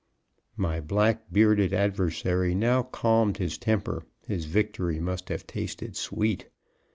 My black bearded adversary now calmed his temper; his victory must have tasted sweet.